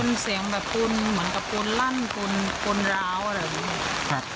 มันเสียงแบบคนเหมือนกับคนลั่นคนร้าวอะไรแบบนี้